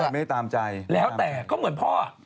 ไม่ตามใจแล้วแต่ก็เหมือนพ่อ